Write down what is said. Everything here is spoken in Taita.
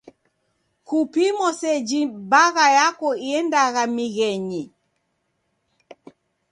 Kupimo seji bagha yako iendagha mighenyi.